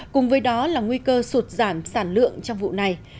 cùng với đó là nguy cơ sụt giảm sản lượng trong vụ này